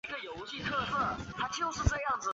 一般意义上并不包含其他国家直接派遣的军队。